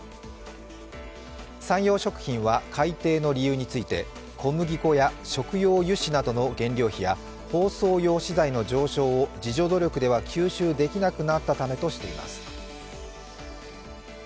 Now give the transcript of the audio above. サンヨー食品は改定の理由について小麦粉や食用油脂などの原料費や包装用資材の上昇を自助努力では吸収できなくなったためとしています。